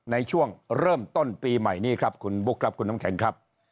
ในช่วงเริ่มต้นปีใหม่นี้ครับคุณบุ๊คครับคุณน้ำแข็งครับ